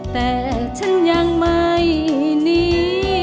แต่ฉันยังไม่หนี